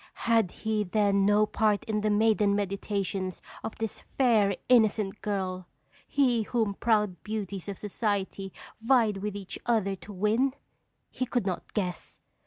Had he then no part in the maiden meditations of this fair, innocent girl he whom proud beauties of society vied with each other to win? He could not guess.